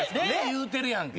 言うてるやんけ。